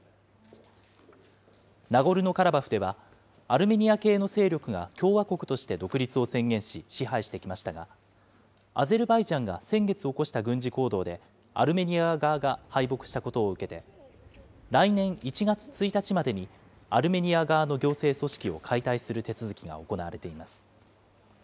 ナゴルノカラバフでは、アルメニア系の勢力が共和国として独立を宣言し支配してきましたが、アゼルバイジャンが先月起こした軍事行動で、アルメニア側が敗北したことを受けて、来年１月１日までに、アルメニア側の行政組織を解体する手続きが行われています。